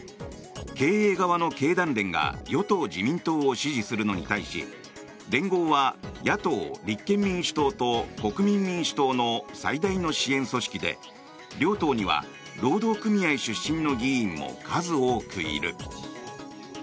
経営側の経団連が与党・自民党を支持するのに対し連合は野党・立憲民主党と国民民主党の最大の支援組織で両党には労働組合出身の議員も数多くいる。